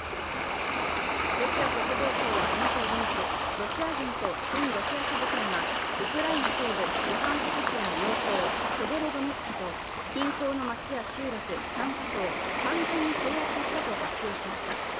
ロシア国防省は２５日、ロシア軍と親ロシア派部隊がウクライナ東部ルハンシク州の要衝、セベロドネツクと近郊の町や集落３カ所を完全に制圧したと発表しました。